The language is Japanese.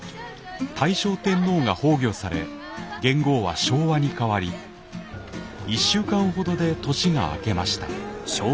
大正天皇が崩御され元号は昭和に変わり１週間ほどで年が明けました。